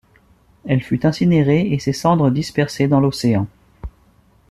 Elle fut incinérée et ses cendres dispersées dans l'océan.